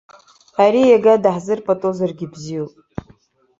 Ари иага даҳзырпатозаргьы бзиоуп.